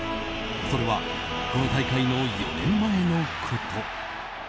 それはこの大会の４年前のこと。